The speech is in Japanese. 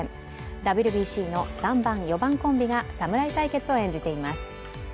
ＷＢＣの３番・４番コンビが侍対決を演じています。